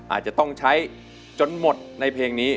อาจจะต้องใช้จนหมดในเพลงนี้